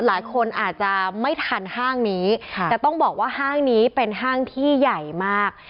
หลายคนอาจจะไม่ทันห้างนี้แต่ต้องบอกว่าห้างนี้เป็นห้างที่ใหญ่มาก